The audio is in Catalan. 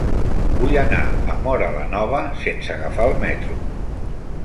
Vull anar a Móra la Nova sense agafar el metro.